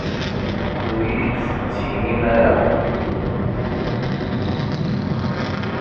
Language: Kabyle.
Ur iyi-d-tettinim ara?